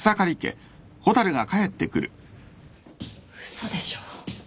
嘘でしょ？